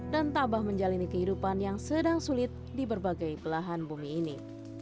dan tabah menjalani kehidupan yang sedang sulit di berbagai belahan bumi ini